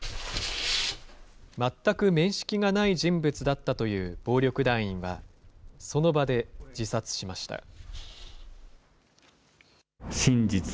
全く面識がない人物だったという暴力団員は、その場で自殺しました。